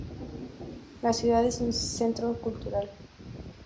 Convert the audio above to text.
La ciudad es un centro cultural.